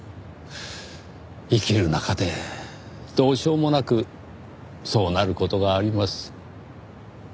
生きる中でどうしようもなくそうなる事があります。